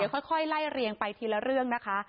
ค่อยไล่เรียงไปทีละเรื่องนะคะ